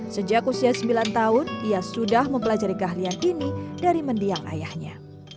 sejak usia sembilan tahun ia sudah mempelajari keahlian ini dari mendiang ayahnya